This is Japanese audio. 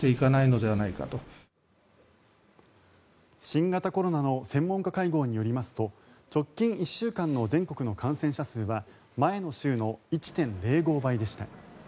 新型コロナの専門家会合によりますと直近１週間の全国の感染者数は前の週の１．０５倍でした。